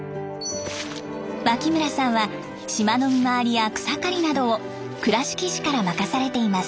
脇村さんは島の見回りや草刈りなどを倉敷市から任されています。